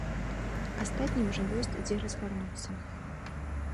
Астатнім жа ёсць дзе разгарнуцца.